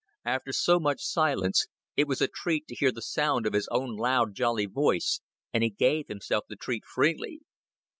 After so much silence it was a treat to hear the sound of his own loud, jolly voice, and he gave himself the treat freely.